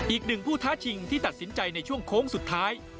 อีกหนึ่งผู้ท้าชิงที่ตัดสินใจในช่วงโค้งสุดท้าย